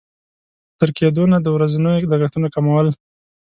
تر کېدونه د ورځنيو لګښتونو کمول.